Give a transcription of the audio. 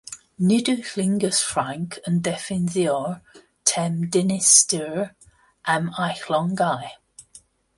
Nid yw Llynges Ffrainc yn defnyddio'r term "dinistriwr" am ei llongau.